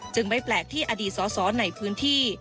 ไม่แปลกที่อดีตสอสอในพื้นที่